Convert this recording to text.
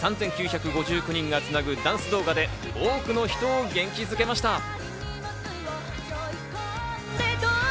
全１５３チーム３９５９人がつなぐダンス動画で多くの人を元気付けました。